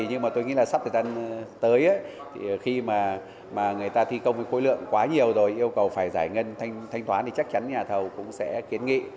nhưng mà tôi nghĩ là sắp thời gian tới thì khi mà người ta thi công với khối lượng quá nhiều rồi yêu cầu phải giải ngân thanh toán thì chắc chắn nhà thầu cũng sẽ kiến nghị